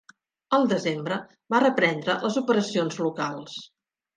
Al desembre, va reprendre les operacions locals.